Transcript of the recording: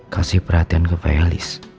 kasih perhatian ke felis